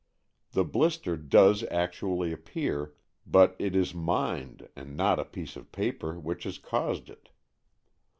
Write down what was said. The blister does actually appear, but it is mind, and not a piece of paper, which has caused it.